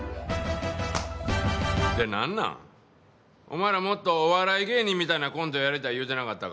お前らもっとお笑い芸人みたいなコントやりたい言うてなかったか？